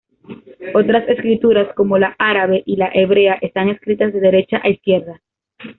Otras escrituras, como la árabe y la hebrea, están escritas de derecha a izquierda.